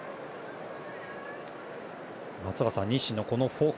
松坂さん、西のフォーク